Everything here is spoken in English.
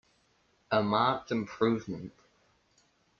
A marked improvement.